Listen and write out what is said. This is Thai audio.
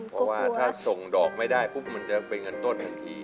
เพราะว่าถ้าส่งดอกไม่ได้มันก็จะเป็นเงินต้น